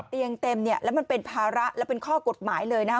เตียงเต็มเนี่ยแล้วมันเป็นภาระและเป็นข้อกฎหมายเลยนะครับ